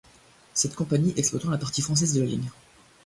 Cette compagnie exploitant la partie française de la ligne.